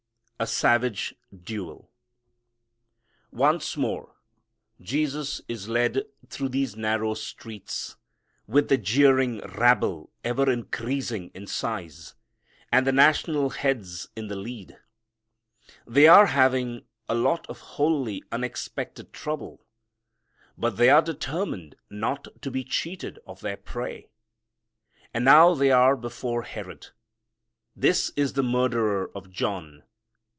A Savage Duel. Once more Jesus is led through these narrow streets, with the jeering rabble ever increasing in size and the national heads in the lead. They are having a lot of wholly unexpected trouble, but they are determined not to be cheated of their prey. And now they are before Herod. This is the murderer of John.